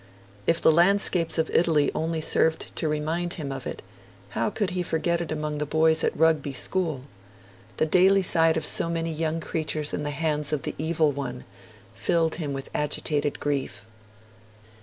If the landscapes of Italy only served to remind him of it, how could he forget it among the boys at Rugby School? The daily sight of so many young creatures in the hands of the Evil One filled him with agitated grief.